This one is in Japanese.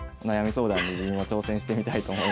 相談に自分も挑戦してみたいと思いました。